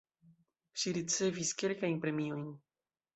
Ŝi ricevis kelkajn premiojn.